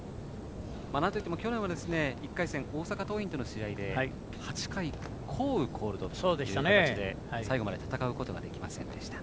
なんといっても去年は１回戦、大阪桐蔭との試合で８回、降雨コールドという形で最後まで戦うことができませんでした。